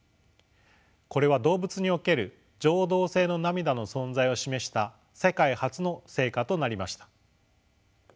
これは動物における情動性の涙の存在を示した世界初の成果となりました。